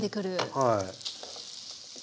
はい。